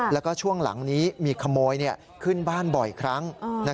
แล้วก็ช่วงหลังนี้มีขโมยขึ้นบ้านบ่อยครั้ง